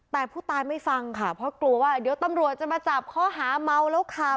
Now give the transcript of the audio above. แต่ผู้ตายไม่ฟังค่ะเพราะกลัวว่าเดี๋ยวตำรวจจะมาจับข้อหาเมาแล้วขับ